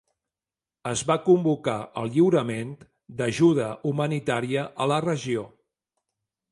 Es va convocar el lliurament d'ajuda humanitària a la regió.